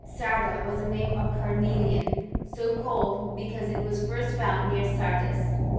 Sarda was the name of cameluJa/iy so called be cause it was first found near Sardis.